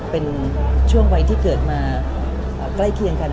เป็นช่วงวัยที่เกิดมาใกล้เคียงกัน